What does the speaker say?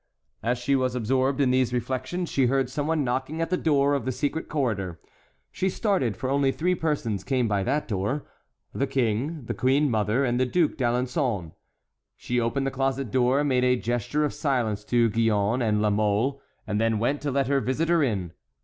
As she was absorbed in these reflections she heard some one knocking at the door of the secret corridor. She started, for only three persons came by that door,—the King, the queen mother, and the Duc d'Alençon. She opened the closet door, made a gesture of silence to Gillonne and La Mole, and then went to let her visitor in.